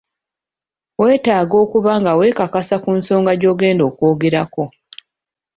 Weetaaga okuba nga weekakasa ku nsonga gy’ogenda okwogerako.